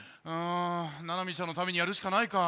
ななみちゃんのためにやるしかないか。